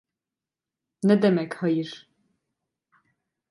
Ne demek hayır?